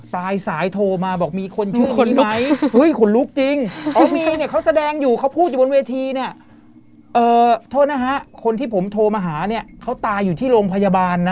ตายสายโทรมาบอกมีคนชื่อมีไหมเฮ้ยขนลุกจริงอ๋อมีเนี้ยเขาแสดงอยู่เขาพูดอยู่บนเวทีเนี้ย